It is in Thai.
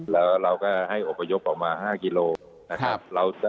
แล้วเราก็ให้อบพยพออกมา๕กิโลนะครับ